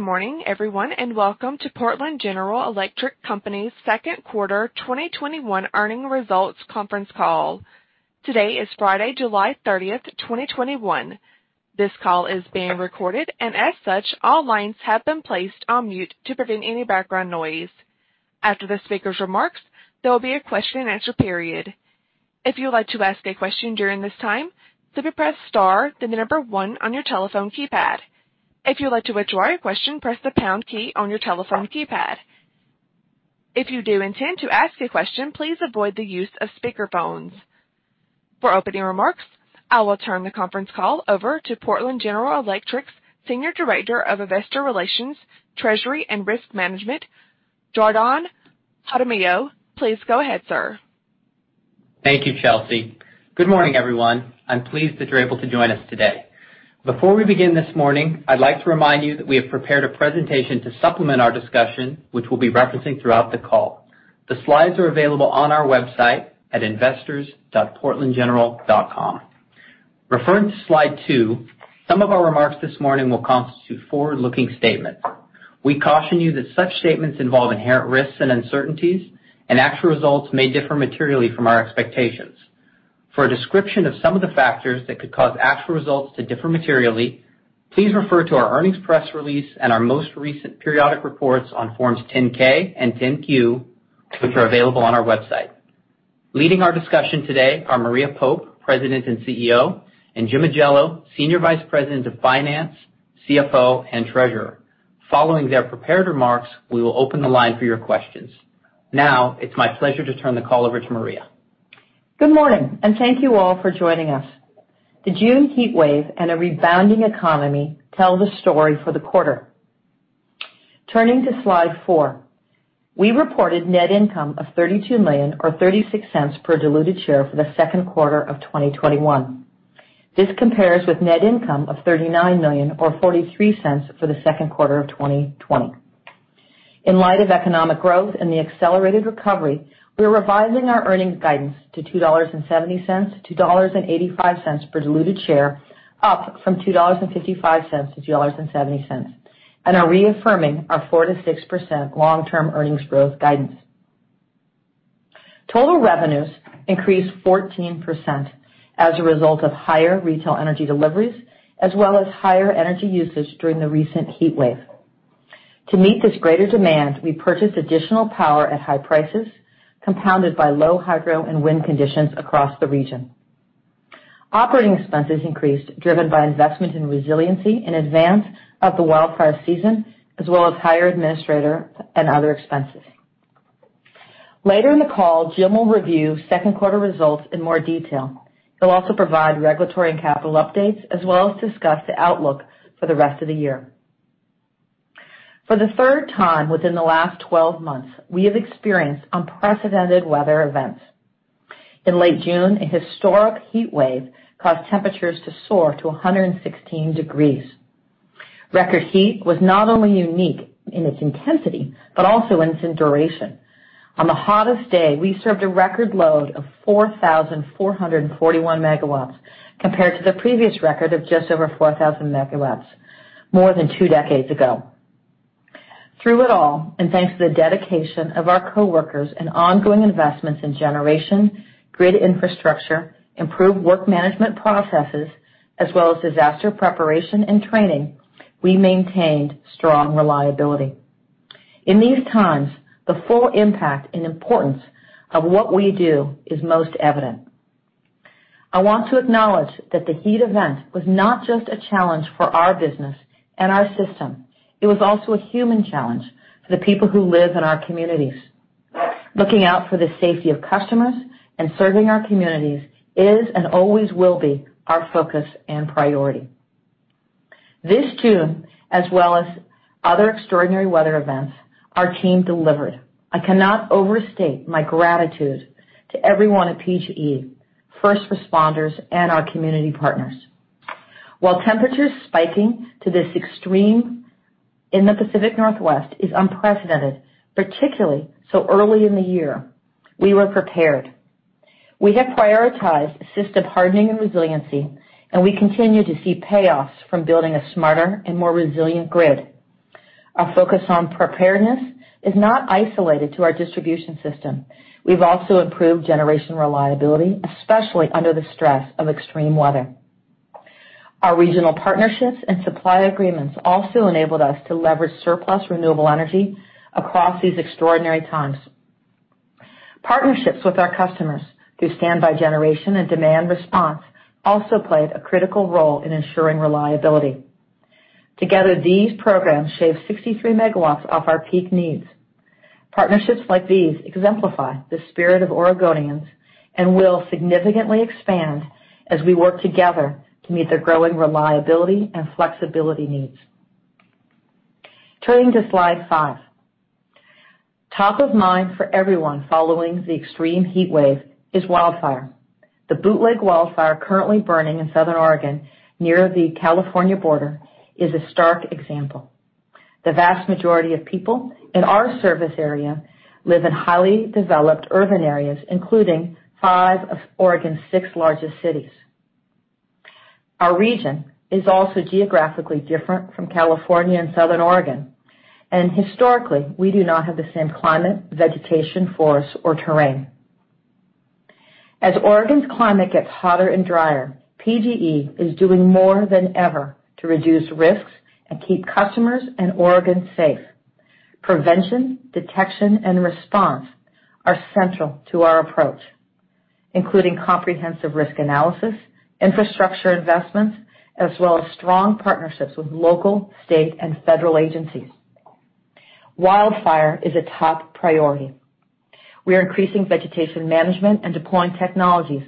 Good morning everyone, welcome to Portland General Electric Company's Second Quarter 2021 Earnings Results Conference Call. Today is Friday, July 30, 2021. This call is being recorded, and as such, all lines have been placed on mute to prevent any background noise. After the speaker's remarks, there will be a question and answer period. If you would like to ask a question during this time, simply press star then one on your telephone keypad. If you would like to withdraw your question, press the pound key on your telephone keypad. If you do intend to ask a question, please avoid the use of speakerphones. For opening remarks, I will turn the conference call over to Portland General Electric's Senior Director of Investor Relations, Treasury, and Risk Management, Jardon Jaramillo. Please go ahead, sir. Thank you, Chelsea. Good morning everyone. I'm pleased that you're able to join us today. Before we begin this morning, I'd like to remind you that we have prepared a presentation to supplement our discussion, which we'll be referencing throughout the call. The slides are available on our website at investors.portlandgeneral.com. Referring to slide two, some of our remarks this morning will constitute forward-looking statements. We caution you that such statements involve inherent risks and uncertainties, and actual results may differ materially from our expectations. For a description of some of the factors that could cause actual results to differ materially, please refer to our earnings press release and our most recent periodic reports on forms 10-K and 10-Q, which are available on our website. Leading our discussion today are Maria Pope, President and CEO, and Jim Ajello, Senior Vice President of Finance, CFO, and Treasurer. Following their prepared remarks, we will open the line for your questions. Now it's my pleasure to turn the call over to Maria. Good morning, thank you all for joining us. The June heat wave and a rebounding economy tell the story for the quarter. Turning to slide 4. We reported net income of $32 million, or $0.36 per diluted share for the second quarter of 2021. This compares with net income of $39 million or $0.43 for the second quarter of 2020. In light of economic growth and the accelerated recovery, we are revising our earnings guidance to $2.70-$2.85 per diluted share, up from $2.55-$2.70, and are reaffirming our 4%-6% long-term earnings growth guidance. Total revenues increased 14% as a result of higher retail energy deliveries, as well as higher energy usage during the recent heat wave. To meet this greater demand, we purchased additional power at high prices, compounded by low hydro and wind conditions across the region. Operating expenses increased, driven by investment in resiliency in advance of the wildfire season, as well as higher administrator and other expenses. Later in the call, Jim will review second quarter results in more detail. He'll also provide regulatory and capital updates, as well as discuss the outlook for the rest of the year. For the third time within the last 12 months, we have experienced unprecedented weather events. In late June, a historic heat wave caused temperatures to soar to 116 degrees. Record heat was not only unique in its intensity, but also in its duration. On the hottest day, we served a record load of 4,441 MW, compared to the previous record of just over 4,000 MW more than two decades ago. Through it all, and thanks to the dedication of our coworkers and ongoing investments in generation, grid infrastructure, improved work management processes, as well as disaster preparation and training, we maintained strong reliability. In these times, the full impact and importance of what we do is most evident. I want to acknowledge that the heat event was not just a challenge for our business and our system. It was also a human challenge for the people who live in our communities. Looking out for the safety of customers and serving our communities is and always will be our focus and priority. This too, as well as other extraordinary weather events, our team delivered. I cannot overstate my gratitude to everyone at PGE, first responders, and our community partners. While temperatures spiking to this extreme in the Pacific Northwest is unprecedented, particularly so early in the year, we were prepared. We have prioritized asset hardening and resiliency, and we continue to see payoffs from building a smarter and more resilient grid. Our focus on preparedness is not isolated to our distribution system. We've also improved generation reliability, especially under the stress of extreme weather. Our regional partnerships and supply agreements also enabled us to leverage surplus renewable energy across these extraordinary times. Partnerships with our customers through standby generation and demand response also played a critical role in ensuring reliability. Together, these programs shaved 63 MW off our peak needs. Partnerships like these exemplify the spirit of Oregonians and will significantly expand as we work together to meet their growing reliability and flexibility needs. Turning to Slide five. Top of mind for everyone following the extreme heat wave is wildfire. The Bootleg wildfire currently burning in Southern Oregon near the California border is a stark example. The vast majority of people in our service area live in highly developed urban areas, including five of Oregon's six largest cities. Historically, we do not have the same climate, vegetation, forest, or terrain. As Oregon's climate gets hotter and drier, PGE is doing more than ever to reduce risks and keep customers and Oregon safe. Prevention, detection, and response are central to our approach, including comprehensive risk analysis, infrastructure investments, as well as strong partnerships with local, state, and federal agencies. Wildfire is a top priority. We are increasing vegetation management and deploying technologies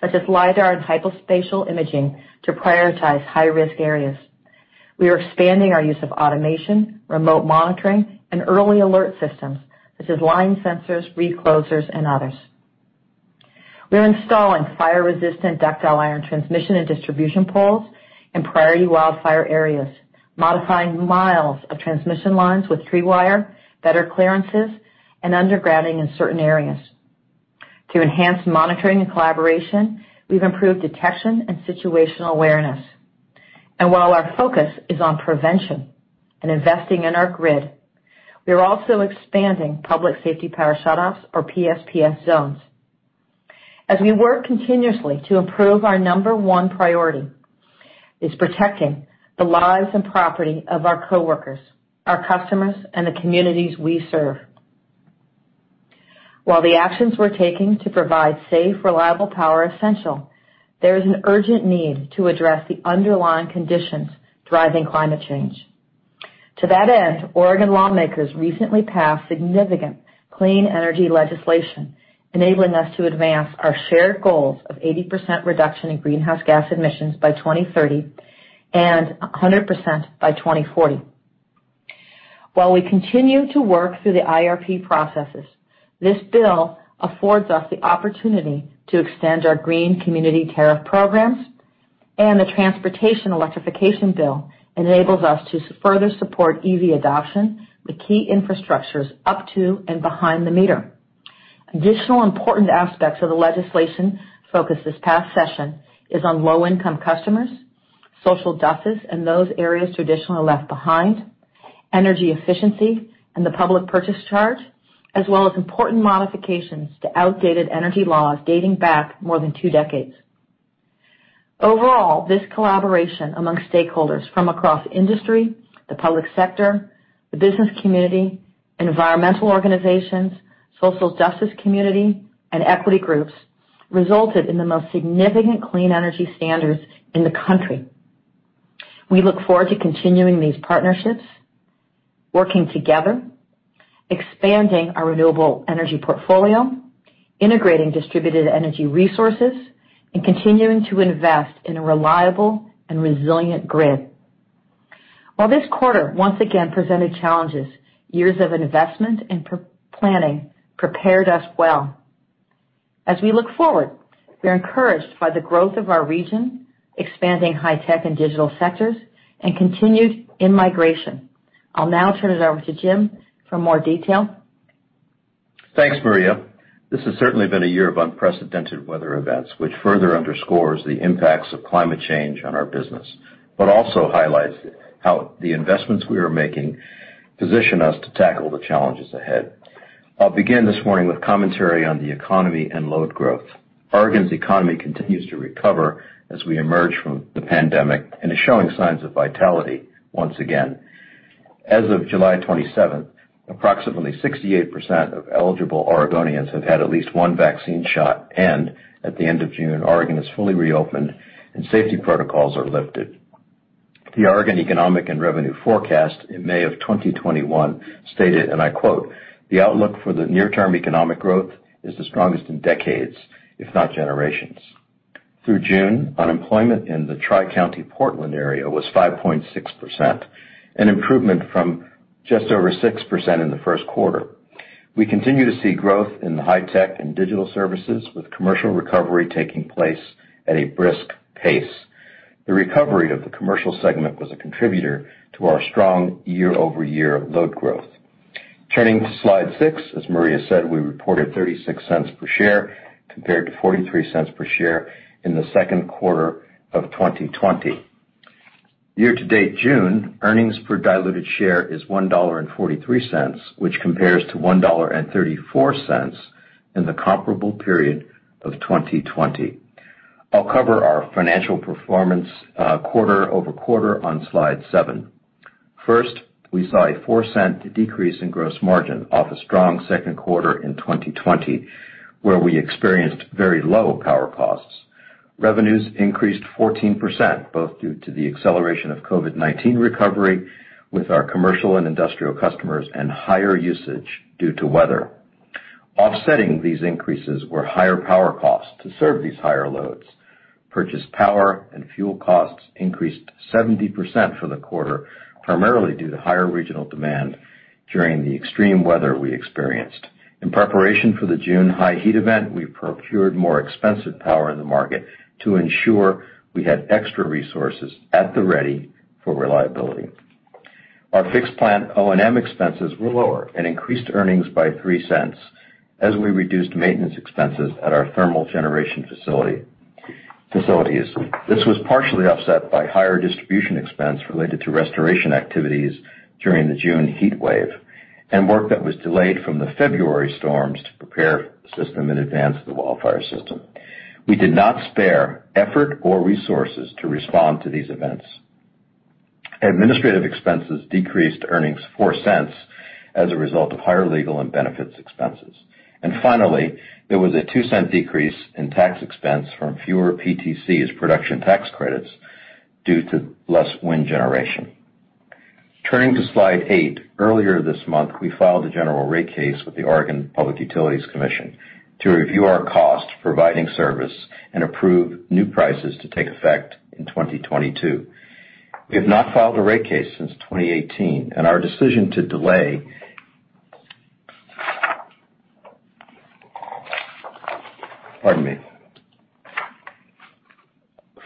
such as lidar and hyperspectral imaging to prioritize high-risk areas. We are expanding our use of automation, remote monitoring, and early alert systems such as line sensors, reclosers, and others. We are installing fire-resistant ductile iron transmission and distribution poles in priority wildfire areas, modifying miles of transmission lines with tree wire, better clearances, and undergrounding in certain areas. To enhance monitoring and collaboration, we've improved detection and situational awareness. While our focus is on prevention and investing in our grid, we are also expanding Public Safety Power Shutoffs, or PSPS zones. As we work continuously to improve, our number one priority is protecting the lives and property of our coworkers, our customers, and the communities we serve. While the actions we're taking to provide safe, reliable power are essential, there is an urgent need to address the underlying conditions driving climate change. To that end, Oregon lawmakers recently passed significant clean energy legislation enabling us to advance our shared goals of 80% reduction in greenhouse gas emissions by 2030 and 100% by 2040. While we continue to work through the IRP processes, this bill affords us the opportunity to extend our Community Green Tariff programs, and the transportation electrification bill enables us to further support EV adoption with key infrastructures up to and behind the meter. Additional important aspects of the legislation focused this past session is on low-income customers, social justice, and those areas traditionally left behind, energy efficiency and the public purpose charge, as well as important modifications to outdated energy laws dating back more than two decades. Overall, this collaboration amongst stakeholders from across industry, the public sector, the business community, environmental organizations, social justice community, and equity groups resulted in the most significant clean energy standards in the country. We look forward to continuing these partnerships, working together, expanding our renewable energy portfolio, integrating Distributed Energy Resources, and continuing to invest in a reliable and resilient grid. While this quarter once again presented challenges, years of investment and planning prepared us well. As we look forward, we are encouraged by the growth of our region, expanding high-tech and digital sectors, and continued in-migration. I'll now turn it over to Jim for more detail. Thanks, Maria. This has certainly been a year of unprecedented weather events, which further underscores the impacts of climate change on our business, but also highlights how the investments we are making position us to tackle the challenges ahead. I will begin this morning with commentary on the economy and load growth. Oregon's economy continues to recover as we emerge from the pandemic and is showing signs of vitality once again. As of July 27th, approximately 68% of eligible Oregonians have had at least one vaccine shot, and at the end of June, Oregon is fully reopened, and safety protocols are lifted. The Oregon Economic and Revenue Forecast in May of 2021 stated, and I quote. The outlook for the near-term economic growth is the strongest in decades, if not generations. Through June, unemployment in the Tri-County Portland area was 5.6%, an improvement from just over 6% in the first quarter. We continue to see growth in the high-tech and digital services, with commercial recovery taking place at a brisk pace. The recovery of the commercial segment was a contributor to our strong year-over-year load growth. Turning to slide six, as Maria said, we reported $0.36 per share compared to $0.43 per share in the second quarter of 2020. Year-to-date June, earnings per diluted share is $1.43, which compares to $1.34 in the comparable period of 2020. I'll cover our financial performance quarter-over-quarter on slide seven. First, we saw a $0.04 decrease in gross margin off a strong second quarter in 2020, where we experienced very low power costs. Revenues increased 14%, both due to the acceleration of COVID-19 recovery with our commercial and industrial customers and higher usage due to weather. Offsetting these increases were higher power costs to serve these higher loads. Purchased power and fuel costs increased 70% for the quarter, primarily due to higher regional demand during the extreme weather we experienced. In preparation for the June high heat event, we procured more expensive power in the market to ensure we had extra resources at the ready for reliability. Our fixed plan O&M expenses were lower and increased earnings by $0.03 as we reduced maintenance expenses at our thermal generation facilities. This was partially offset by higher distribution expense related to restoration activities during the June heat wave, and work that was delayed from the February storms to prepare the system in advance of the wildfire season. We did not spare effort or resources to respond to these events. Administrative expenses decreased earnings $0.04 as a result of higher legal and benefits expenses. Finally, there was a $0.02 decrease in tax expense from fewer PTCs, production tax credits, due to less wind generation. Turning to slide eight. Earlier this month, we filed a general rate case with the Oregon Public Utility Commission to review our cost providing service and approve new prices to take effect in 2022. We have not filed a rate case since 2018, our decision to delay. Pardon me.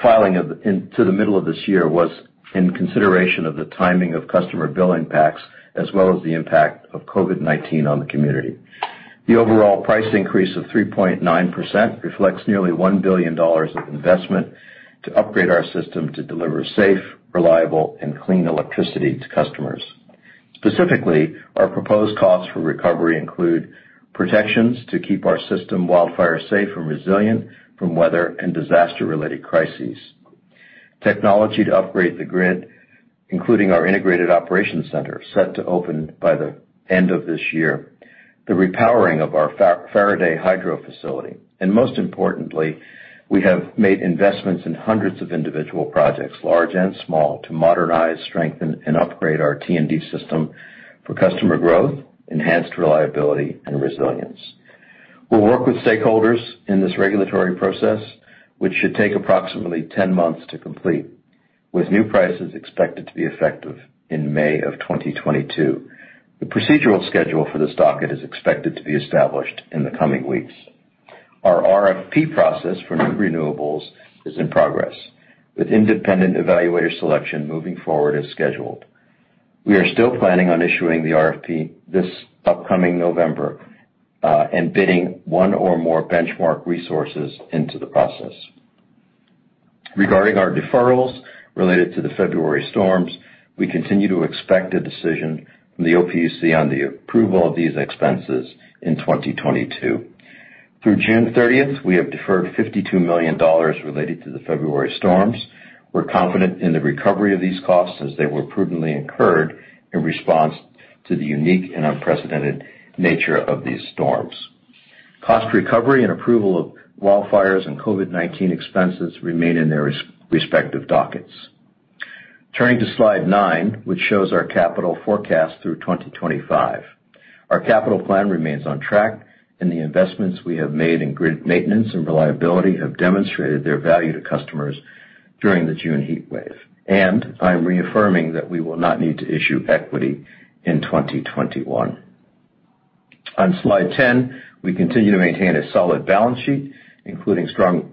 Filing to the middle of this year was in consideration of the timing of customer billing packs, as well as the impact of COVID-19 on the community. The overall price increase of 3.9% reflects nearly $1 billion of investment to upgrade our system to deliver safe, reliable, and clean electricity to customers. Specifically, our proposed costs for recovery include protections to keep our system wildfire safe and resilient from weather and disaster-related crises. Technology to upgrade the grid, including our Integrated Operations Center, set to open by the end of this year, the repowering of our Faraday Hydro facility, and most importantly, we have made investments in hundreds of individual projects, large and small, to modernize, strengthen, and upgrade our T&D system for customer growth, enhanced reliability, and resilience. We'll work with stakeholders in this regulatory process, which should take approximately 10 months to complete, with new prices expected to be effective in May of 2022. The procedural schedule for this docket is expected to be established in the coming weeks. Our RFP process for new renewables is in progress, with independent evaluator selection moving forward as scheduled. We are still planning on issuing the RFP this upcoming November, and bidding one or more benchmark resources into the process. Regarding our deferrals related to the February storms, we continue to expect a decision from the OPUC on the approval of these expenses in 2022. Through June 30th, we have deferred $52 million related to the February storms. We're confident in the recovery of these costs as they were prudently incurred in response to the unique and unprecedented nature of these storms. Cost recovery and approval of wildfires and COVID-19 expenses remain in their respective dockets. Turning to slide nine, which shows our capital forecast through 2025. The investments we have made in grid maintenance and reliability have demonstrated their value to customers during the June heat wave. I'm reaffirming that we will not need to issue equity in 2021. On slide 10, we continue to maintain a solid balance sheet, including strong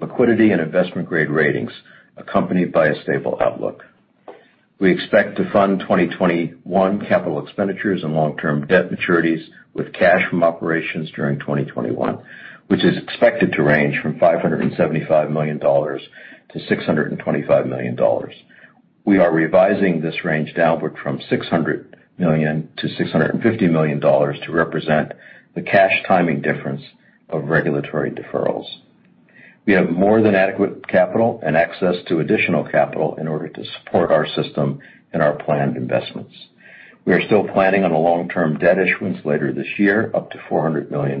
liquidity and investment-grade ratings, accompanied by a stable outlook. We expect to fund 2021 capital expenditures and long-term debt maturities with cash from operations during 2021, which is expected to range from $575 million-$625 million. We are revising this range downward from $600 million-$650 million to represent the cash timing difference of regulatory deferrals. We have more than adequate capital and access to additional capital in order to support our system and our planned investments. We are still planning on a long-term debt issuance later this year, up to $400 million,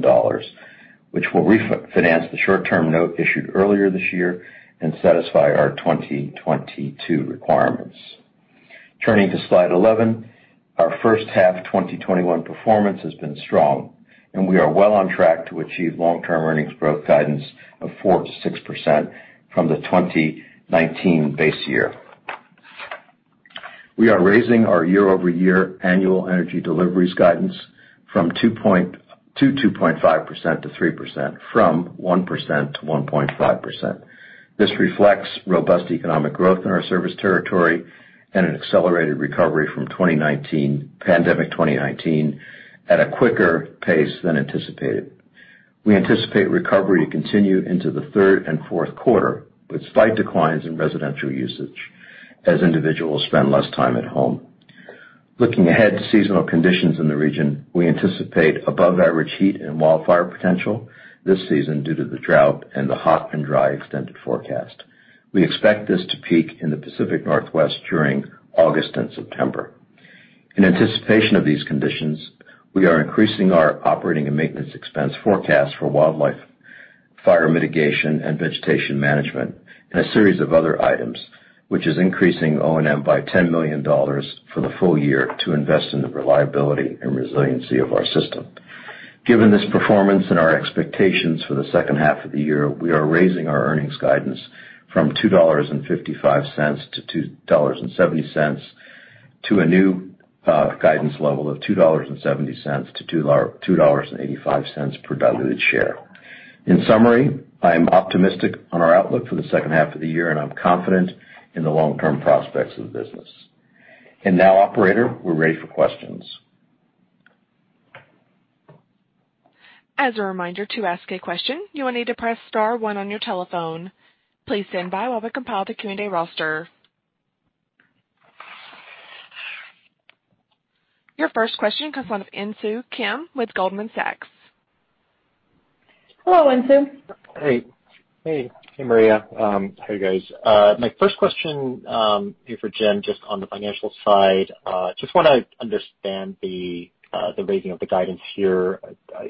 which will refinance the short-term note issued earlier this year and satisfy our 2022 requirements. Turning to slide 11. Our first half 2021 performance has been strong, and we are well on track to achieve long-term earnings growth guidance of 4%-6% from the 2019 base year. We are raising our year-over-year annual energy deliveries guidance from 2.5%-3%, from 1%-1.5%. This reflects robust economic growth in our service territory and an accelerated recovery from pandemic 2019 at a quicker pace than anticipated. We anticipate recovery to continue into the third and fourth quarter, with slight declines in residential usage as individuals spend less time at home. Looking ahead to seasonal conditions in the region, we anticipate above-average heat and wildfire potential this season due to the drought and the hot and dry extended forecast. We expect this to peak in the Pacific Northwest during August and September. In anticipation of these conditions, we are increasing our operating and maintenance expense forecast for wildfire, fire mitigation, and vegetation management, and a series of other items, which is increasing O&M by $10 million for the full year to invest in the reliability and resiliency of our system. Given this performance and our expectations for the second half of the year, we are raising our earnings guidance from $2.55-$2.70 to a new guidance level of $2.70-$2.85 per diluted share. In summary, I'm optimistic on our outlook for the second half of the year, and I'm confident in the long-term prospects of the business. Now, operator, we're ready for questions. As a reminder, to ask a question, you will need to press star one on your telephone. Please stand by while we compile the Q&A roster. Your first question comes from Insoo Kim with Goldman Sachs. Hello, Insoo. Hey. Hey, Maria. Hi, guys. My first question here for Jim, just on the financial side, just want to understand the raising of the guidance here.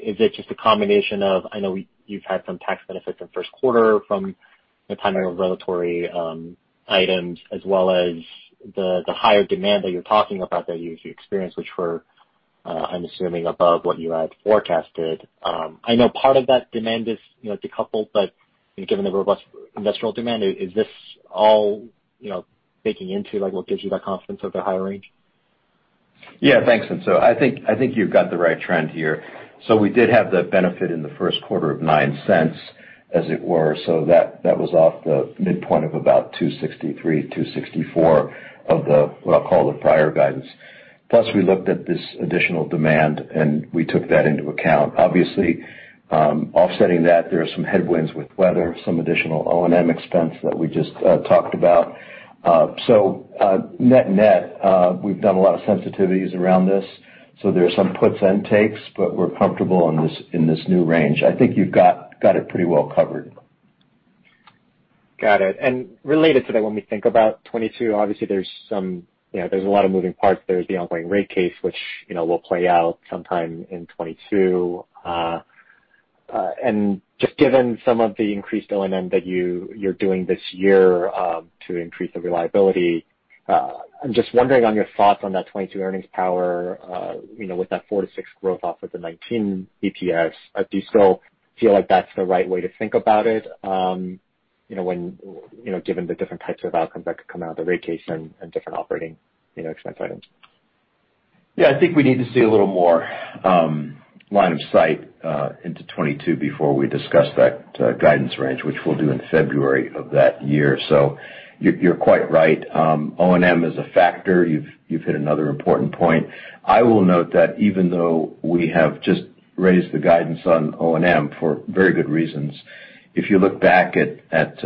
Is it just a combination of, I know you've had some tax benefits in the first quarter from the timing of regulatory items as well as the higher demand that you're talking about that you experienced, which were, I'm assuming, above what you had forecasted. I know part of that demand is decoupled, but given the robust industrial demand, is this all baking into what gives you that confidence of the higher range? Yeah, thanks, Insoo. I think you've got the right trend here. We did have the benefit in the first quarter of $0.09, as it were. That was off the midpoint of about $2.63-$2.64 of what I'll call the prior guidance. We looked at this additional demand, and we took that into account. Obviously, offsetting that, there are some headwinds with weather, some additional O&M expense that we just talked about. Net net, we've done a lot of sensitivities around this, so there are some puts and takes, but we're comfortable in this new range. I think you've got it pretty well covered. Got it. Related to that, when we think about 2022, obviously there's a lot of moving parts. There's the ongoing rate case, which will play out sometime in 2022. Just given some of the increased O&M that you're doing this year to increase the reliability, I'm just wondering on your thoughts on that 2022 earnings power with that four to six growth off of the 19 BPS. Do you still feel like that's the right way to think about it given the different types of outcomes that could come out of the rate case and different operating expense items? Yeah, I think we need to see a little more line of sight into 2022 before we discuss that guidance range, which we'll do in February of that year. You're quite right. O&M is a factor. You've hit another important point. I will note that even though we have just raised the guidance on O&M for very good reasons, if you look back at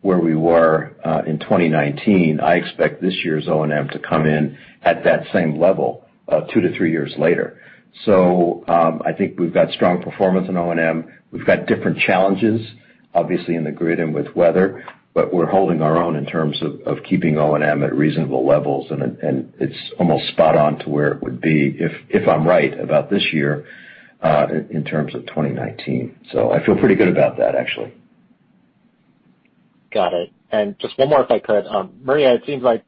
where we were in 2019, I expect this year's O&M to come in at that same level two to three years later. I think we've got strong performance in O&M. We've got different challenges, obviously in the grid and with weather, but we're holding our own in terms of keeping O&M at reasonable levels, and it's almost spot on to where it would be, if I'm right about this year, in terms of 2019. I feel pretty good about that, actually. Got it. Just one more, if I could. Maria, it seems like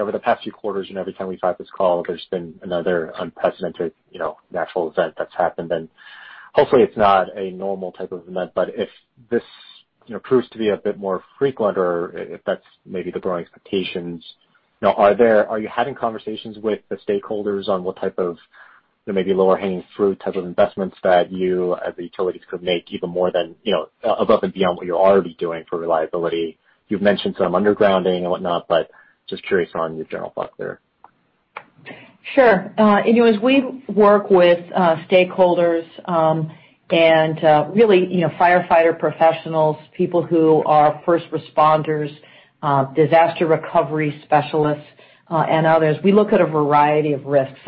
over the past few quarters, and every time we've had this call, there's been another unprecedented natural event that's happened, and hopefully, it's not a normal type of event, but if this proves to be a bit more frequent or if that's maybe the growing expectations, are you having conversations with the stakeholders on what type of maybe lower-hanging fruit type of investments that you as the utilities could make even more above and beyond what you're already doing for reliability? You've mentioned some undergrounding and whatnot, but just curious on your general thoughts there. Sure. Insoo Kim, we work with stakeholders and really firefighter professionals, people who are first responders, disaster recovery specialists, and others. We look at a variety of risks,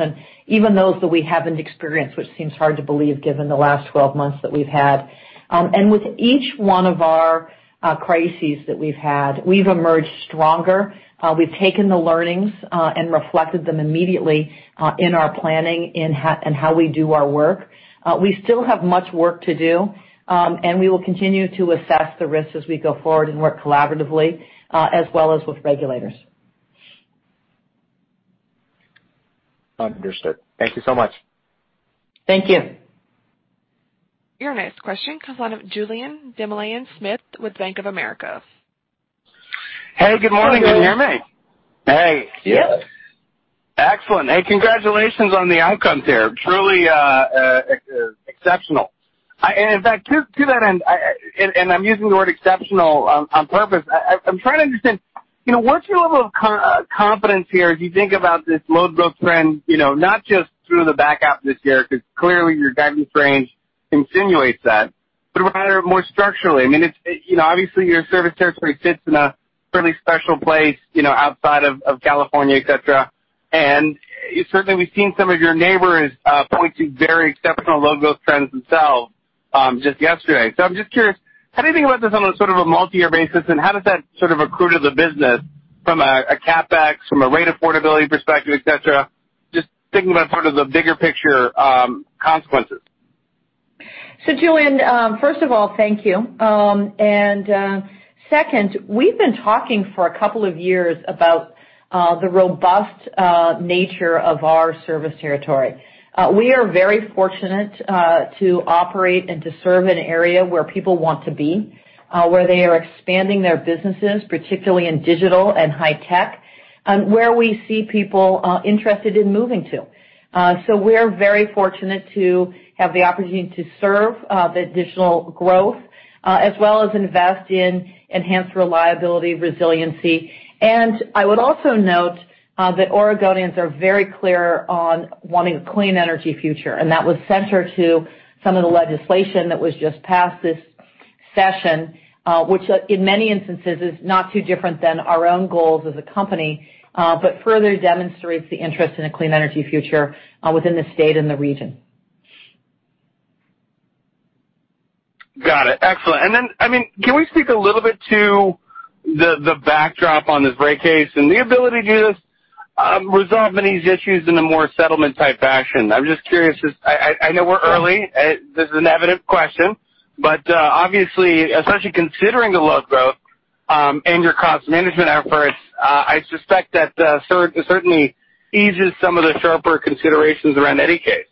even those that we haven't experienced, which seems hard to believe given the last 12 months that we've had. With each one of our crises that we've had, we've emerged stronger. We've taken the learnings, and reflected them immediately in our planning and how we do our work. We still have much work to do, and we will continue to assess the risks as we go forward and work collaboratively, as well as with regulators. Understood. Thank you so much. Thank you. Your next question comes on Julien Dumoulin-Smith with Bank of America. Hey, good morning. Can you hear me? Hey. Yes. Excellent. Hey, congratulations on the outcomes here. Truly exceptional. In fact, to that end, I'm using the word exceptional on purpose. I'm trying to understand what's your level of confidence here as you think about this load growth trend, not just through the back half of this year, because clearly your guidance range insinuates that, but rather more structurally. Obviously, your service territory sits in a fairly special place, outside of California, et cetera. Certainly, we've seen some of your neighbors point to very exceptional load growth trends themselves just yesterday. I'm just curious, how do you think about this on a sort of a multi-year basis, and how does that sort of accrue to the business from a CapEx, from a rate affordability perspective, et cetera? Just thinking about sort of the bigger picture consequences. Julien, first of all, thank you. Second, we've been talking for a couple of years about the robust nature of our service territory. We are very fortunate to operate and to serve an area where people want to be, where they are expanding their businesses, particularly in digital and high tech. Where we see people interested in moving to. We're very fortunate to have the opportunity to serve the additional growth, as well as invest in enhanced reliability, resiliency. I would also note that Oregonians are very clear on wanting a clean energy future, and that was center to some of the legislation that was just passed this session, which in many instances is not too different than our own goals as a company, but further demonstrates the interest in a clean energy future within the state and the region. Got it. Excellent. Can we speak a little bit to the backdrop on this rate case and the ability to resolve many of these issues in a more settlement-type fashion? I'm just curious. I know we're early. This is an evident question, but obviously, especially considering the load growth, and your cost management efforts, I suspect that certainly eases some of the sharper considerations around any case.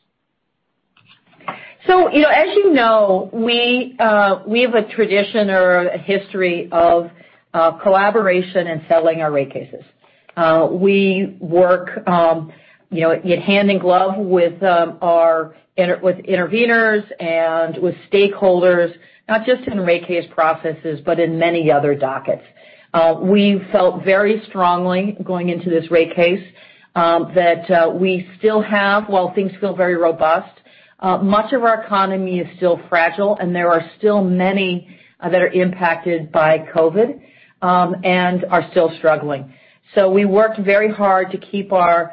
As you know, we have a tradition or a history of collaboration in settling our rate cases. We work hand in glove with intervenors and with stakeholders, not just in rate case processes, but in many other dockets. We felt very strongly going into this rate case, that we still have, while things feel very robust, much of our economy is still fragile, and there are still many that are impacted by COVID, and are still struggling. We worked very hard to keep our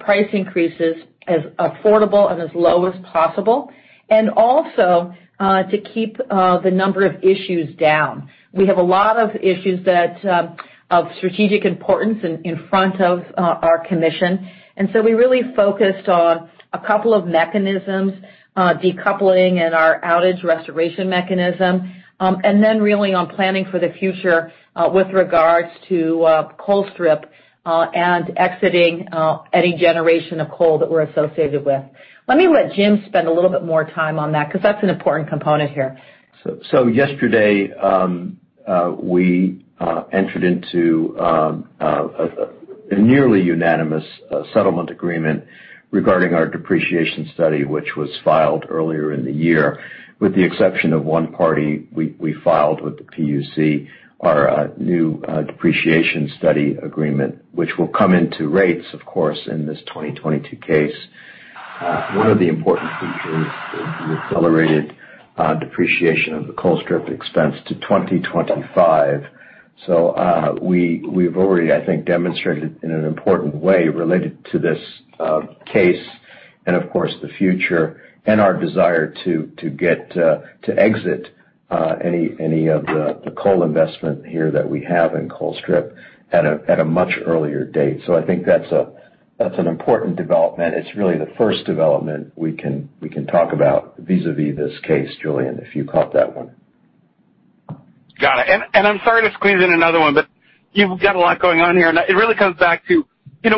price increases as affordable and as low as possible, and also, to keep the number of issues down. We have a lot of issues of strategic importance in front of our Commission. We really focused on a couple of mechanisms, decoupling and our outage restoration mechanism, and then really on planning for the future with regards to Colstrip, and exiting any generation of coal that we're associated with. Let me let Jim spend a little bit more time on that, because that's an important component here. Yesterday, we entered into a nearly unanimous settlement agreement regarding our depreciation study, which was filed earlier in the year. With the exception of one party, we filed with the PUC our new depreciation study agreement, which will come into rates, of course, in this 2022 case. One of the important features is the accelerated depreciation of the Colstrip expense to 2025. We've already, I think, demonstrated in an important way related to this case, and of course, the future and our desire to exit any of the coal investment here that we have in Colstrip at a much earlier date. I think that's an important development. It's really the first development we can talk about vis-à-vis this case, Julien, if you caught that one. Got it. I'm sorry to squeeze in another one, but you've got a lot going on here, and it really comes back to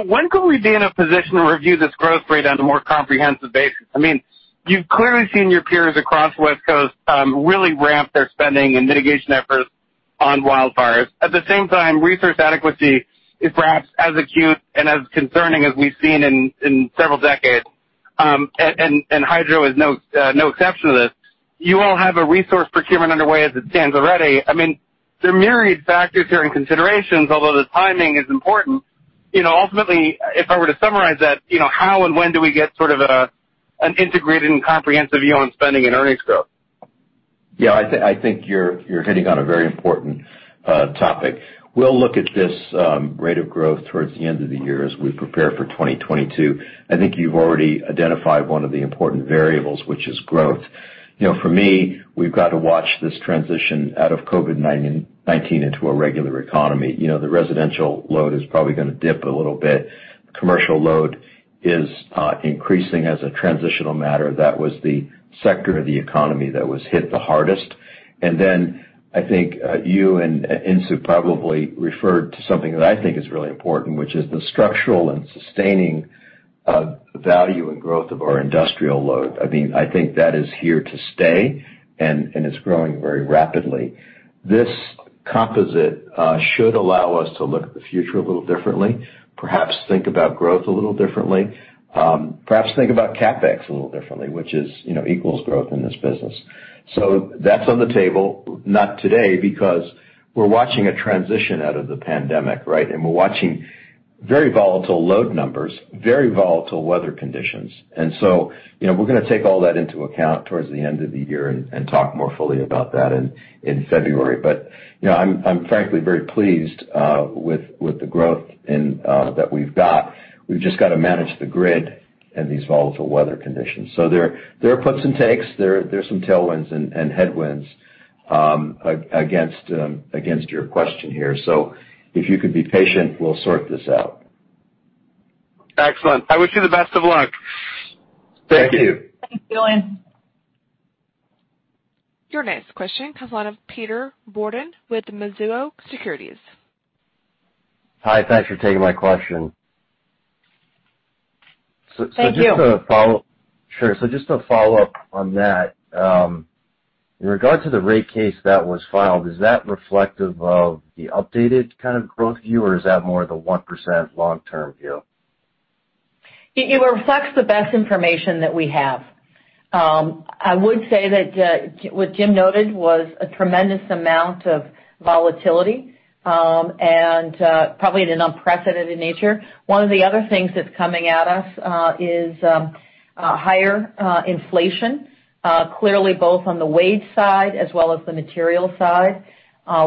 when could we be in a position to review this growth rate on a more comprehensive basis? You've clearly seen your peers across West Coast really ramp their spending and mitigation efforts on wildfires. At the same time, resource adequacy is perhaps as acute and as concerning as we've seen in several decades. Hydro is no exception to this. You all have a resource procurement underway as it stands already. There are myriad factors here and considerations, although the timing is important. Ultimately, if I were to summarize that, how and when do we get sort of an integrated and comprehensive view on spending and earnings growth? Yeah, I think you're hitting on a very important topic. We'll look at this rate of growth towards the end of the year as we prepare for 2022. I think you've already identified one of the important variables, which is growth. For me, we've got to watch this transition out of COVID-19 into a regular economy. The residential load is probably going to dip a little bit. Commercial load is increasing as a transitional matter. That was the sector of the economy that was hit the hardest. I think you and Insoo probably referred to something that I think is really important, which is the structural and sustaining value and growth of our industrial load. I think that is here to stay, and it's growing very rapidly. This composite should allow us to look at the future a little differently, perhaps think about growth a little differently, perhaps think about CapEx a little differently, which equals growth in this business. That's on the table. Not today, because we're watching a transition out of the pandemic, right? We're watching very volatile load numbers, very volatile weather conditions. We're going to take all that into account towards the end of the year and talk more fully about that in February. I'm frankly very pleased with the growth that we've got. We've just got to manage the grid and these volatile weather conditions. There are puts and takes. There are some tailwinds and headwinds against your question here. If you could be patient, we'll sort this out. Excellent. I wish you the best of luck. Thank you. Thanks, Julien. Your next question comes line of Peter Bourdon with Mizuho Securities. Hi, thanks for taking my question. Just to follow up on that, in regard to the rate case that was filed, is that reflective of the updated kind of growth view, or is that more the 1% long-term view? It reflects the best information that we have. I would say that what Jim noted was a tremendous amount of volatility, and probably at an unprecedented nature. One of the other things that's coming at us is higher inflation, clearly both on the wage side as well as the material side.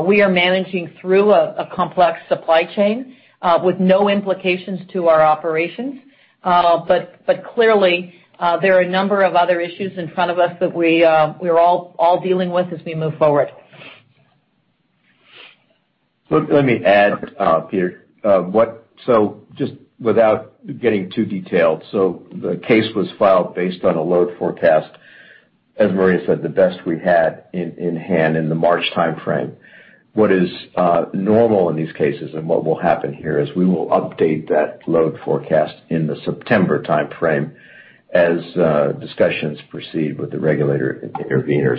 We are managing through a complex supply chain with no implications to our operations. Clearly, there are a number of other issues in front of us that we're all dealing with as we move forward. Let me add, Peter. Just without getting too detailed, the case was filed based on a load forecast, as Maria said, the best we had in hand in the March timeframe. What is normal in these cases and what will happen here is we will update that load forecast in the September timeframe as discussions proceed with the regulator intervener.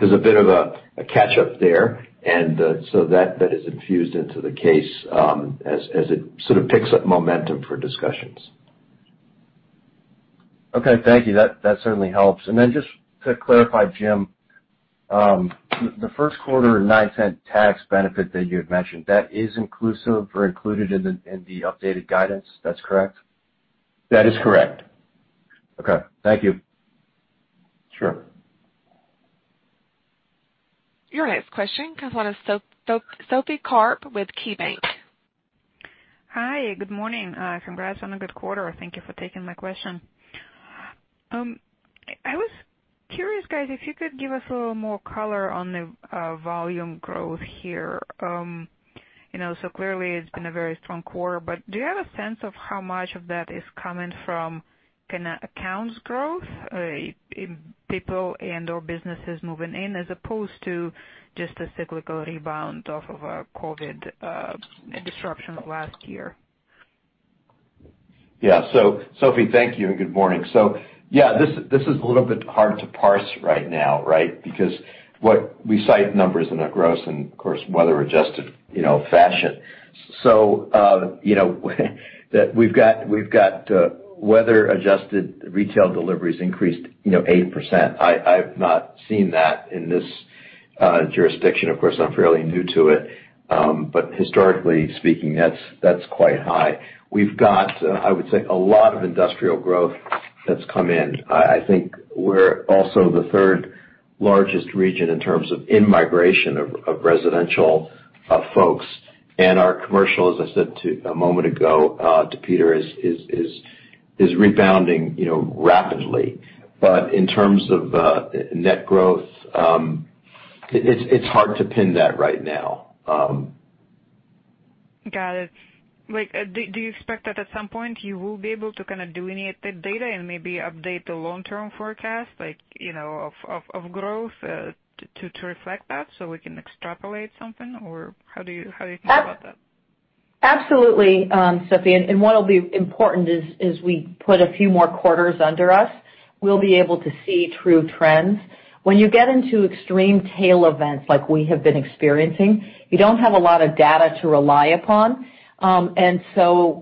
There's a bit of a catch-up there. That is infused into the case, as it sort of picks up momentum for discussions. Okay. Thank you. That certainly helps. Then just to clarify, Jim, the first quarter $0.09 tax benefit that you had mentioned, that is inclusive or included in the updated guidance. That's correct? That is correct. Okay. Thank you. Sure. Your next question comes on from Sophie Karp with KeyBanc. Hi, good morning. Congrats on a good quarter. Thank you for taking my question. I was curious, guys, if you could give us a little more color on the volume growth here. Clearly it's been a very strong quarter, but do you have a sense of how much of that is coming from kind of accounts growth, people and/or businesses moving in as opposed to just a cyclical rebound off of COVID disruptions last year? Sophie, thank you and good morning. This is a little bit hard to parse right now, right? What we cite numbers in a gross and of course, weather adjusted fashion. We've got weather adjusted retail deliveries increased 8%. I've not seen that in this jurisdiction. Of course, I'm fairly new to it. Historically speaking, that's quite high. We've got, I would say, a lot of industrial growth that's come in. I think we're also the third largest region in terms of in-migration of residential folks. Our commercial, as I said a moment ago to Paul Patterson, is rebounding rapidly. In terms of net growth, it's hard to pin that right now. Got it. Do you expect that at some point you will be able to kind of delineate the data and maybe update the long-term forecast of growth to reflect that so we can extrapolate something? How do you think about that? Absolutely, Sophie, what'll be important is we put a few more quarters under us, we'll be able to see true trends. When you get into extreme tail events like we have been experiencing, you don't have a lot of data to rely upon.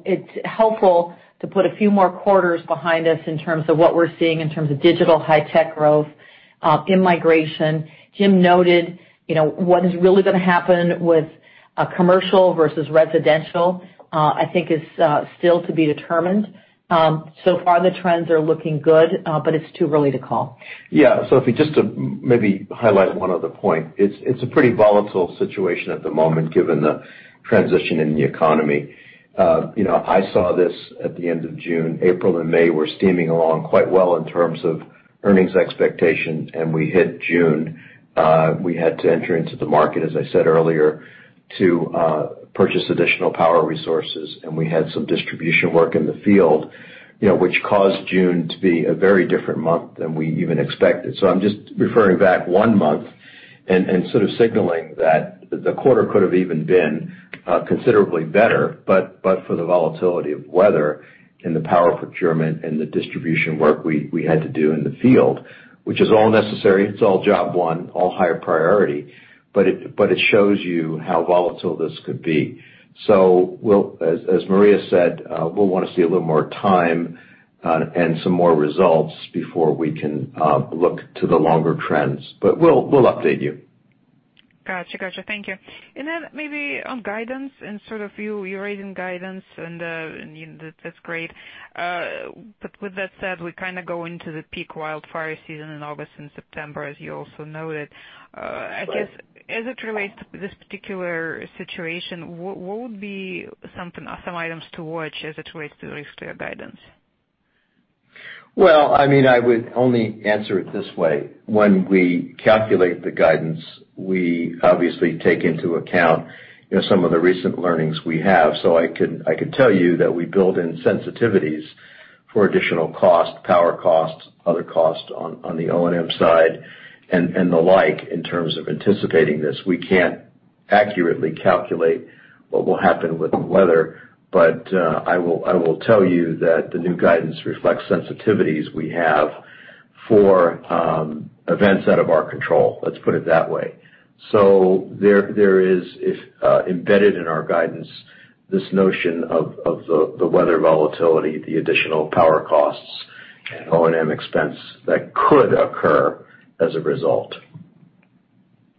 It's helpful to put a few more quarters behind us in terms of what we're seeing in terms of digital high tech growth, in-migration. Jim noted what is really going to happen with commercial versus residential, I think is still to be determined. So far the trends are looking good, but it's too early to call. Yeah. Sophie, just to maybe highlight one other point. It's a pretty volatile situation at the moment given the transition in the economy. I saw this at the end of June. April and May were steaming along quite well in terms of earnings expectations, and we hit June. We had to enter into the market, as I said earlier, to purchase additional power resources, and we had some distribution work in the field which caused June to be a very different month than we even expected. I'm just referring back 1 month and sort of signaling that the quarter could have even been considerably better, but for the volatility of weather and the power procurement and the distribution work we had to do in the field, which is all necessary. It's all job one, all higher priority, but it shows you how volatile this could be. As Maria said, we'll want to see a little more time and some more results before we can look to the longer trends. We'll update you. Got you. Thank you. Maybe on guidance and sort of you raising guidance and that's great. With that said, we kind of go into the peak wildfire season in August and September, as you also noted. I guess as it relates to this particular situation, what would be some items to watch as it relates to the risk to your guidance? Well, I would only answer it this way. When we calculate the guidance, we obviously take into account some of the recent learnings we have. I could tell you that we build in sensitivities for additional cost, power costs, other costs on the O&M side, and the like in terms of anticipating this. We can't accurately calculate what will happen with the weather. I will tell you that the new guidance reflects sensitivities we have for events out of our control, let's put it that way. There is, embedded in our guidance, this notion of the weather volatility, the additional power costs, and O&M expense that could occur as a result.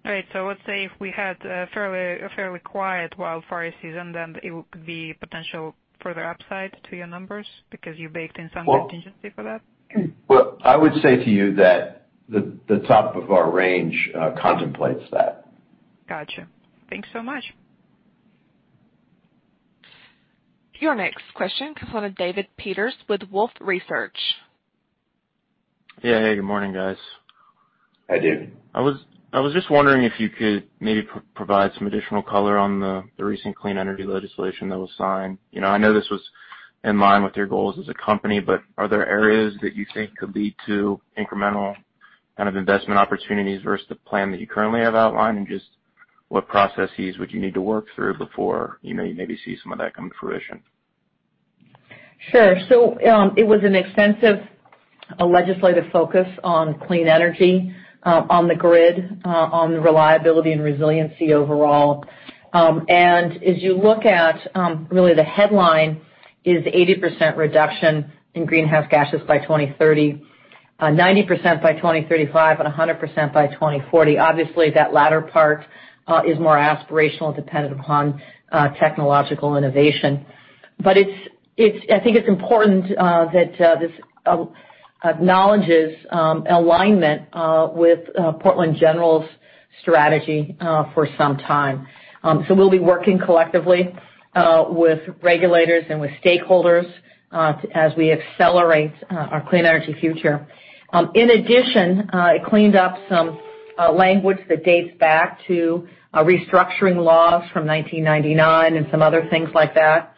All right. Let's say if we had a fairly quiet wildfire season, then it could be potential further upside to your numbers because you baked in some contingency for that? Well, I would say to you that the top of our range contemplates that. Got you. Thanks so much. Your next question comes on with David Peters with Wolfe Research. Hey, good morning, guys. Hi, David. I was just wondering if you could maybe provide some additional color on the recent clean energy legislation that was signed. I know this was in line with your goals as a company, but are there areas that you think could lead to incremental kind of investment opportunities versus the plan that you currently have outlined? Just what processes would you need to work through before you maybe see some of that come to fruition? Sure. It was an extensive legislative focus on clean energy, on the grid, on the reliability and resiliency overall. As you look at, really the headline is 80% reduction in greenhouse gases by 2030, 90% by 2035, and 100% by 2040. Obviously, that latter part is more aspirational and dependent upon technological innovation. I think it's important that this acknowledges alignment with Portland General's strategy for some time. We'll be working collectively with regulators and with stakeholders as we accelerate our clean energy future. In addition, it cleaned up some language that dates back to restructuring laws from 1999 and some other things like that.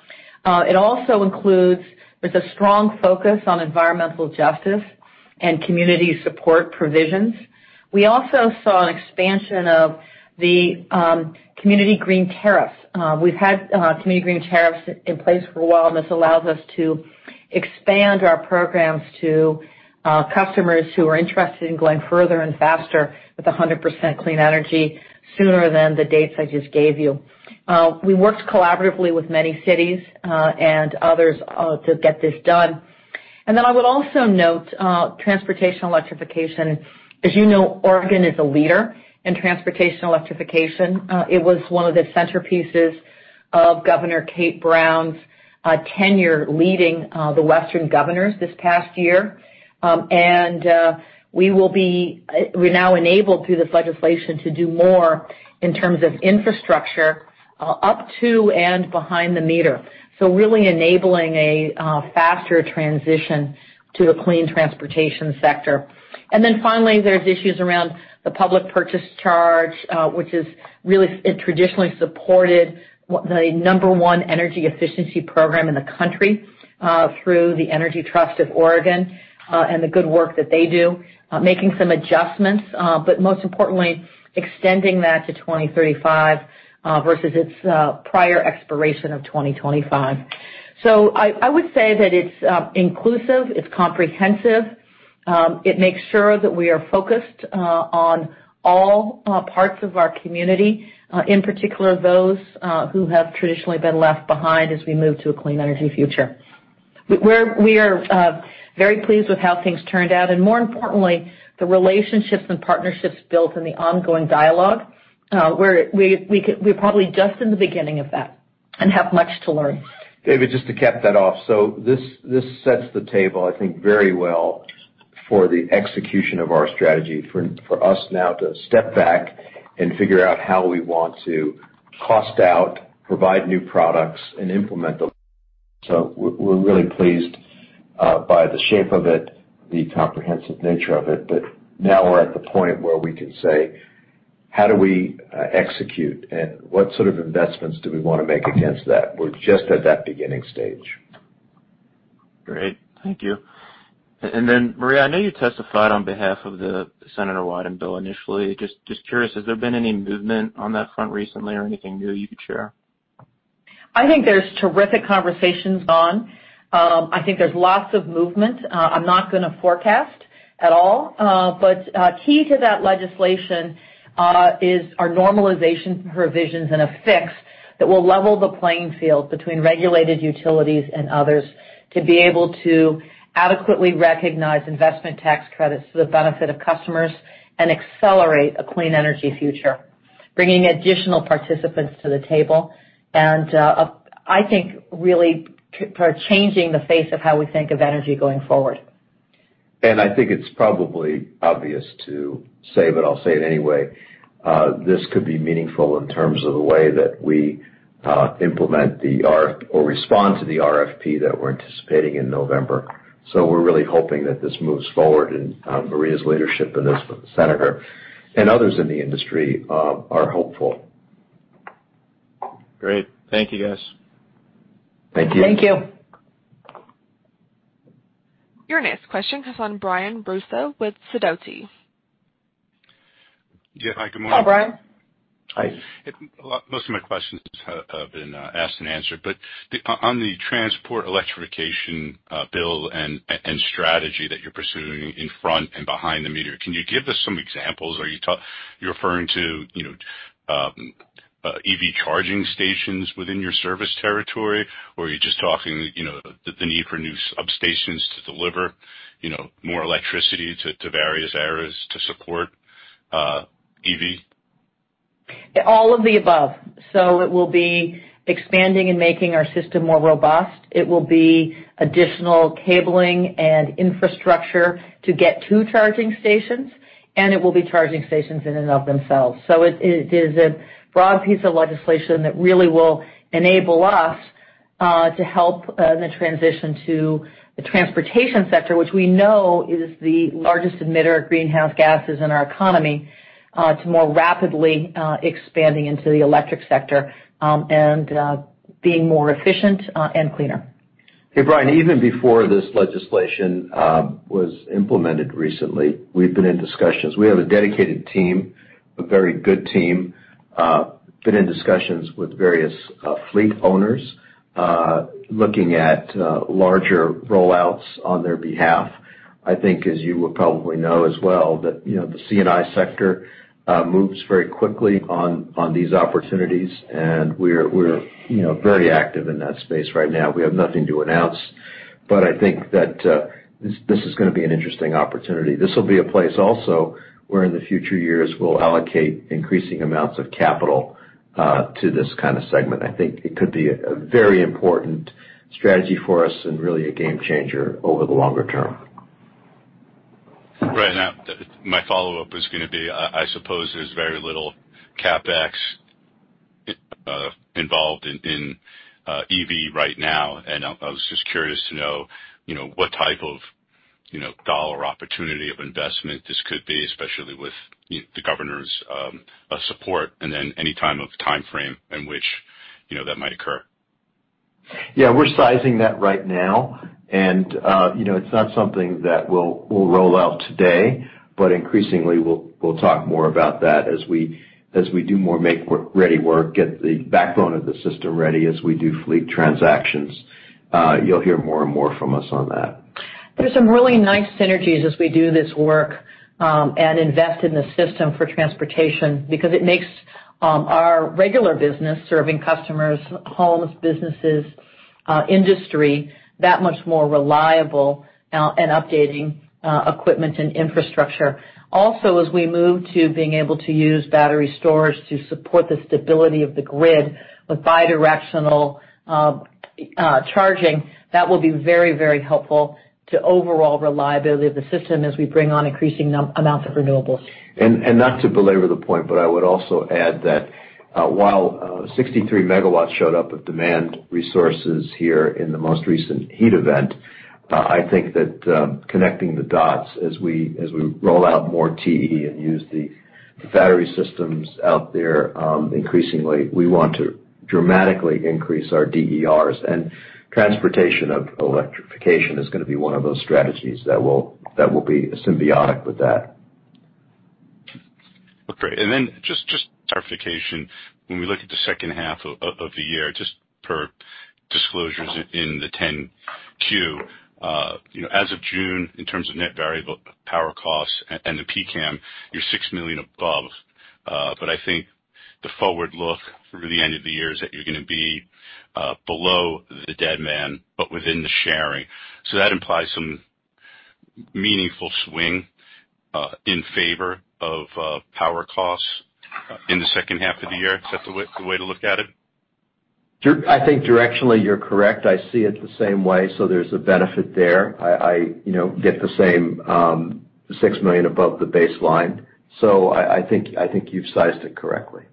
It also includes, there's a strong focus on environmental justice and community support provisions. We also saw an expansion of the Community Green Tariff. We've had Community Green Tariff in place for a while. This allows us to expand our programs to customers who are interested in going further and faster with 100% clean energy sooner than the dates I just gave you. We worked collaboratively with many cities and others to get this done. I would also note transportation electrification. As you know, Oregon is a leader in transportation electrification. It was one of the centerpieces of Governor Kate Brown's tenure leading the Western Governors this past year. We're now enabled through this legislation to do more in terms of infrastructure up to and behind the meter. Really enabling a faster transition to the clean transportation sector. Finally, there's issues around the public purpose charge, which is really, traditionally supported the number one energy efficiency program in the country through the Energy Trust of Oregon, and the good work that they do, making some adjustments. Most importantly, extending that to 2035, versus its prior expiration of 2025. I would say that it's inclusive, it's comprehensive, it makes sure that we are focused on all parts of our community, in particular, those who have traditionally been left behind as we move to a clean energy future. We are very pleased with how things turned out, and more importantly, the relationships and partnerships built and the ongoing dialogue, we're probably just in the beginning of that and have much to learn. David, just to cap that off. This sets the table, I think, very well for the execution of our strategy, for us now to step back and figure out how we want to cost out, provide new products, and implement those. We're really pleased by the shape of it, the comprehensive nature of it. Now we're at the point where we can say, how do we execute, and what sort of investments do we want to make against that? We're just at that beginning stage. Great. Thank you. Maria, I know you testified on behalf of the Ron Wyden bill initially. Just curious, has there been any movement on that front recently or anything new you could share? I think there's terrific conversations gone. I think there's lots of movement. I'm not going to forecast at all. Key to that legislation is our normalization provisions and a fix that will level the playing field between regulated utilities and others to be able to adequately recognize investment tax credits for the benefit of customers and accelerate a clean energy future, bringing additional participants to the table. I think really changing the face of how we think of energy going forward. I think it's probably obvious to say, but I'll say it anyway. This could be meaningful in terms of the way that we implement or respond to the RFP that we're anticipating in November. We're really hoping that this moves forward, and Maria's leadership in this with the senator and others in the industry are hopeful. Great. Thank you, guys. Thank you. Thank you. Your next question comes from Brian Russo with Sidoti. Yeah. Hi, good morning. Hi, Brian. Hi. Most of my questions have been asked and answered. On the transportation electrification bill and strategy that you're pursuing in front and behind the meter, can you give us some examples? Are you referring to EV charging stations within your service territory, or are you just talking the need for new substations to deliver more electricity to various areas to support EV? All of the above. It will be expanding and making our system more robust. It will be additional cabling and infrastructure to get to charging stations, and it will be charging stations in and of themselves. It is a broad piece of legislation that really will enable us to help in the transition to the transportation sector, which we know is the largest emitter of greenhouse gases in our economy, to more rapidly expanding into the electric sector, and being more efficient and cleaner. Hey, Brian. Even before this legislation was implemented recently, we've been in discussions. We have a dedicated team, a very good team. We've been in discussions with various fleet owners, looking at larger roll-outs on their behalf. I think, as you would probably know as well, that the C&I sector moves very quickly on these opportunities, and we're very active in that space right now. We have nothing to announce. I think that this is going to be an interesting opportunity. This will be a place also where in the future years we'll allocate increasing amounts of capital to this kind of segment. I think it could be a very important strategy for us and really a game changer over the longer term. Right. My follow-up is going to be, I suppose there's very little CapEx involved in EV right now, and I was just curious to know what type of dollar opportunity of investment this could be, especially with the Governor's support and then any time of timeframe in which that might occur. Yeah, we're sizing that right now, and it's not something that we'll roll out today, but increasingly, we'll talk more about that as we do more make-ready work, get the backbone of the system ready as we do fleet transactions. You'll hear more and more from us on that. There's some really nice synergies as we do this work and invest in the system for transportation because it makes our regular business serving customers, homes, businesses, industry that much more reliable now in updating equipment and infrastructure. Also, as we move to being able to use battery storage to support the stability of the grid with bidirectional charging, that will be very helpful to overall reliability of the system as we bring on increasing amounts of renewables. Not to belabor the point, I would also add that while 63 MW showed up of demand resources here in the most recent heat event, I think that connecting the dots as we roll out more TE and use the battery systems out there increasingly, we want to dramatically increase our DERs, and transportation electrification is going to be one of those strategies that will be symbiotic with that. Okay. Just clarification. When we look at the second half of the year, just per disclosures in the 10-Q. As of June, in terms of net variable power costs and the PCAM, you're $6 million above. I think the forward look through the end of the year is that you're going to be below the dead band, but within the sharing. That implies some meaningful swing in favor of power costs in the second half of the year. Is that the way to look at it? I think directionally you're correct. I see it the same way. There's a benefit there. I get the same $6 million above the baseline. I think you've sized it correctly.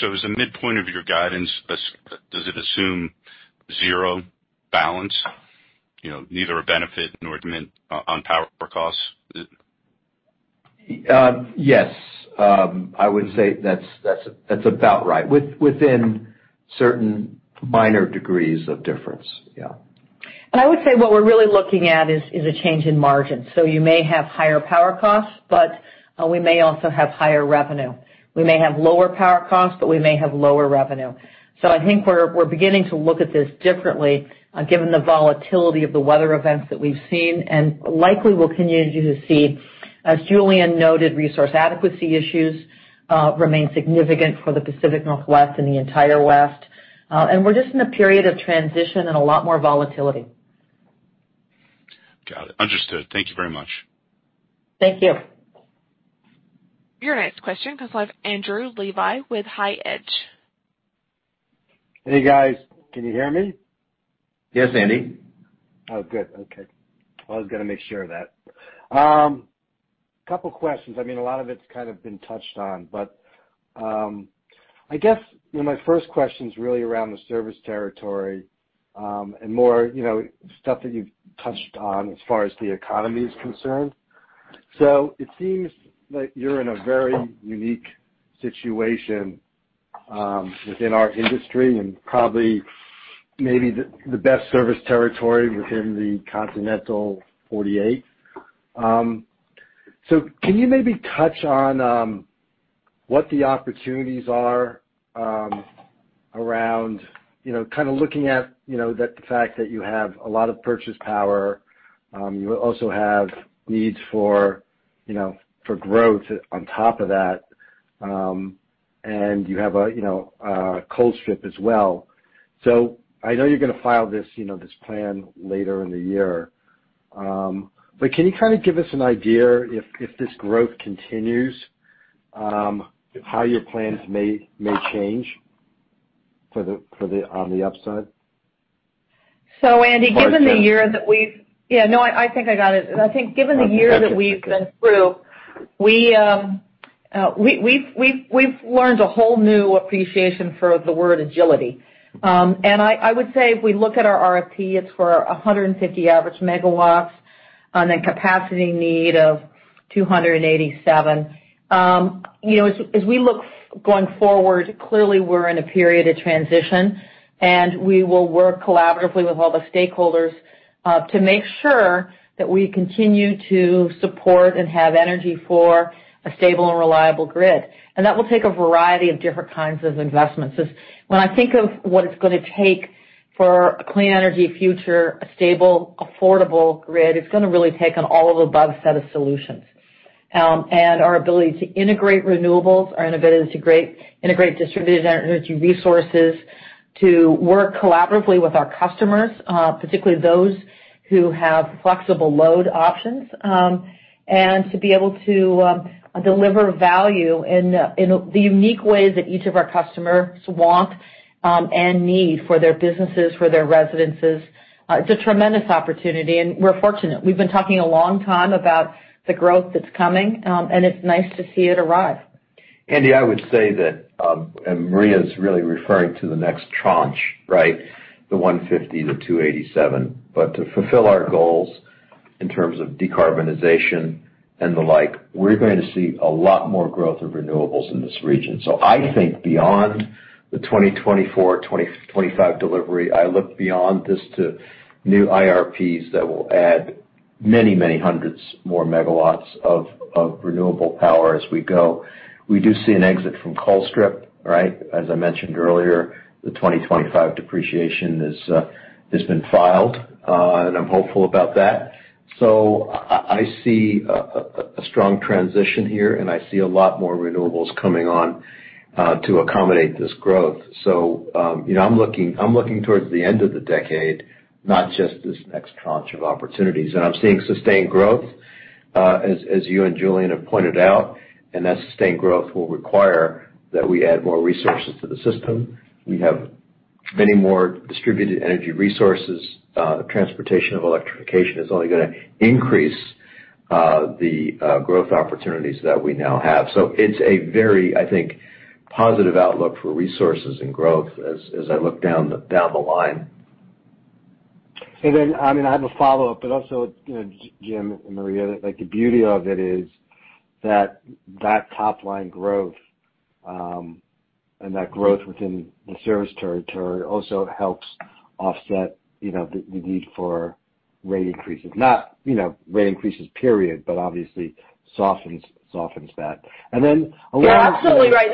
As the midpoint of your guidance, does it assume zero balance? Neither a benefit nor detriment on power costs? Yes. I would say that's about right, within certain minor degrees of difference. Yeah. I would say what we're really looking at is a change in margin. You may have higher power costs, but we may also have higher revenue. We may have lower power costs, but we may have lower revenue. I think we're beginning to look at this differently given the volatility of the weather events that we've seen and likely will continue to see. As Julien noted, resource adequacy issues remain significant for the Pacific Northwest and the entire West. We're just in a period of transition and a lot more volatility. Got it. Understood. Thank you very much. Thank you. Your next question comes live Andrew Levi with HITE Hedge. Hey, guys. Can you hear me? Yes, Andy. Oh, good. Okay. I was going to make sure of that. Couple questions. A lot of it's kind of been touched on. I guess my first question's really around the service territory, and more stuff that you've touched on as far as the economy is concerned. It seems like you're in a very unique situation within our industry, and probably maybe the best service territory within the continental 48. Can you maybe touch on what the opportunities are around looking at the fact that you have a lot of purchase power, you also have needs for growth on top of that, and you have a Colstrip as well. I know you're going to file this plan later in the year. Can you kind of give us an idea if this growth continues, how your plans may change on the upside? Andy, given the year that we've been through, we've learned a whole new appreciation for the word agility. I would say if we look at our RFP, it's for 150 average MW on a capacity need of 287. As we look going forward, clearly we're in a period of transition, and we will work collaboratively with all the stakeholders, to make sure that we continue to support and have energy for a stable and reliable grid. That will take a variety of different kinds of investments. When I think of what it's going to take for a clean energy future, a stable, affordable grid, it's going to really take an all-of-the-above set of solutions. Our ability to integrate renewables, our ability to integrate Distributed Energy Resources, to work collaboratively with our customers, particularly those who have flexible load options, and to be able to deliver value in the unique ways that each of our customers want and need for their businesses, for their residences. It's a tremendous opportunity, and we're fortunate. We've been talking a long time about the growth that's coming, and it's nice to see it arrive. Andrew Levi, I would say that, and Maria's really referring to the next tranche, right? The 150, the 287. To fulfill our goals in terms of decarbonization and the like, we're going to see a lot more growth of renewables in this region. I think beyond the 2024, 2025 delivery, I look beyond this to new IRPs that will add many hundreds more MW of renewable power as we go. We do see an exit from Colstrip, right? As I mentioned earlier, the 2025 depreciation has been filed, and I'm hopeful about that. I see a strong transition here, and I see a lot more renewables coming on to accommodate this growth. I'm looking towards the end of the decade, not just this next tranche of opportunities. I'm seeing sustained growth, as you and Julien have pointed out, and that sustained growth will require that we add more resources to the system. We have many more Distributed Energy Resources. transportation electrification is only going to increase the growth opportunities that we now have. It's a very positive outlook for resources and growth as I look down the line. I have a follow-up, but also, Jim and Maria, the beauty of it is that top-line growth, and that growth within the service territory also helps offset the need for rate increases. Not rate increases, period, but obviously softens that. You're absolutely right.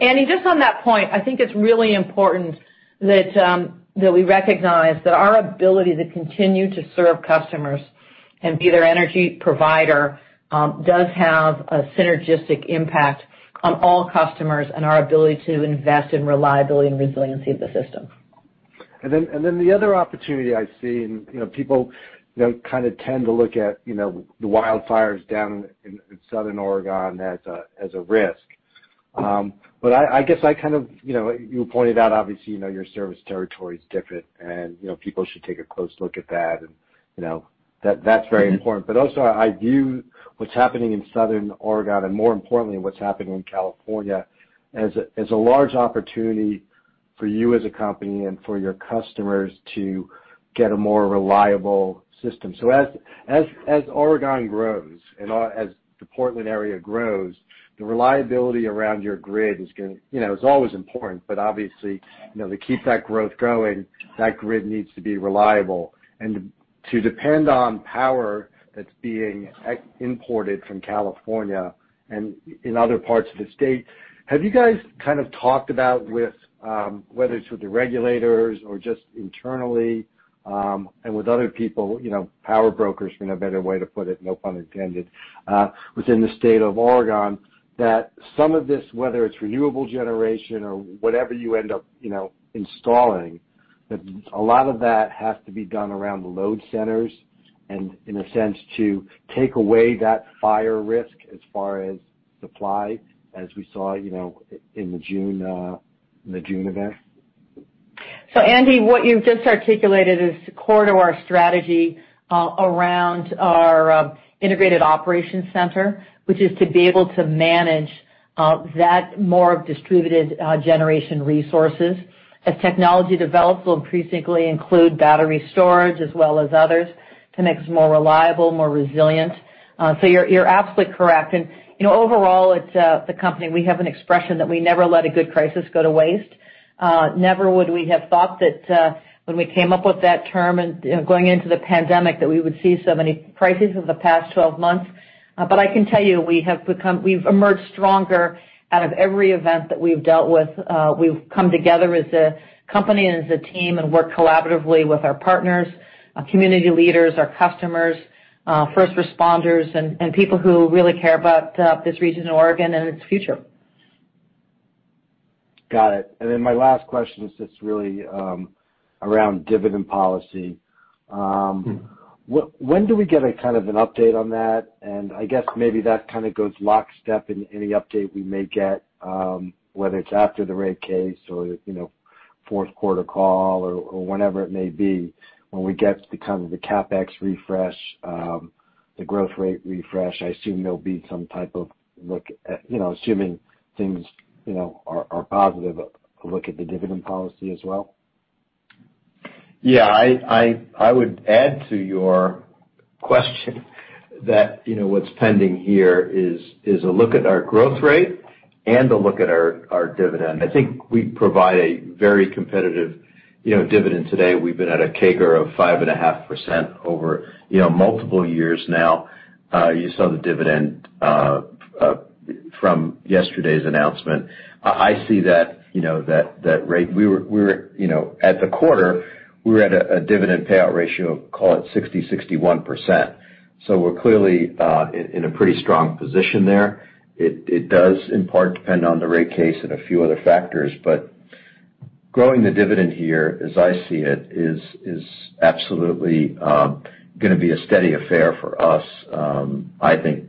Andrew Levi, just on that point, I think it's really important that we recognize that our ability to continue to serve customers and be their energy provider, does have a synergistic impact on all customers and our ability to invest in reliability and resiliency of the system. The other opportunity I see, and people kind of tend to look at the wildfires down in Southern Oregon as a risk. I guess I kind of, you pointed out obviously, your service territory is different and people should take a close look at that, and that's very important. Also, I view what's happening in Southern Oregon, and more importantly, what's happening in California as a large opportunity for you as a company and for your customers to get a more reliable system. As Oregon grows and as the Portland area grows, the reliability around your grid is going. It's always important, but obviously, to keep that growth going, that grid needs to be reliable. To depend on power that's being imported from California and in other parts of the state, have you guys kind of talked about with, whether it's with the regulators or just internally, and with other people, power brokers, for a better way to put it, no pun intended, within the state of Oregon, that some of this, whether it's renewable generation or whatever you end up installing, that a lot of that has to be done around the load centers and in a sense, to take away that fire risk as far as supply, as we saw in the June event? Andrew Levi, what you've just articulated is core to our strategy around our Integrated Operations Center, which is to be able to manage that more of distributed generation resources. As technology develops, we'll increasingly include battery storage as well as others to make us more reliable, more resilient. You're absolutely correct. Overall, at the company, we have an expression that we never let a good crisis go to waste. Never would we have thought that when we came up with that term and going into the pandemic, that we would see so many crises in the past 12 months. I can tell you, we've emerged stronger out of every event that we've dealt with. We've come together as a company and as a team and worked collaboratively with our partners, our community leaders, our customers, first responders, and people who really care about this region in Oregon and its future. Got it. My last question is just really around dividend policy. When do we get a kind of an update on that? I guess maybe that kind of goes lockstep in any update we may get, whether it's after the rate case or fourth quarter call or whenever it may be, when we get to kind of the CapEx refresh, the growth rate refresh, I assume there'll be some type of look at, assuming things are positive, a look at the dividend policy as well. Yeah. I would add to your question that what's pending here is a look at our growth rate and a look at our dividend. I think we provide a very competitive dividend today. We've been at a CAGR of 5.5% over multiple years now. You saw the dividend from yesterday's announcement. I see that rate. At the quarter, we were at a dividend payout ratio of, call it 60%, 61%. We're clearly in a pretty strong position there. It does, in part, depend on the rate case and a few other factors, but growing the dividend here, as I see it, is absolutely gonna be a steady affair for us, I think,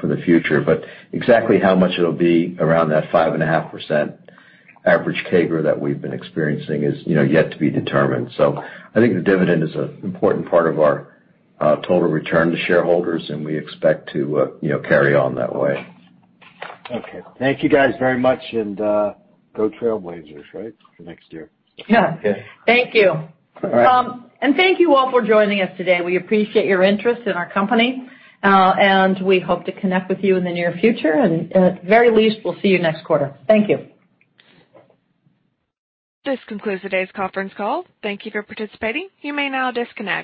for the future. Exactly how much it'll be around that 5.5% average CAGR that we've been experiencing is yet to be determined. I think the dividend is an important part of our total return to shareholders, and we expect to carry on that way. Okay. Thank you guys very much, and go Trail Blazers, right? For next year. Yeah. Yes. Thank you. All right. Thank you all for joining us today. We appreciate your interest in our company, and we hope to connect with you in the near future. At the very least, we'll see you next quarter. Thank you. This concludes today's conference call. Thank you for participating. You may now disconnect.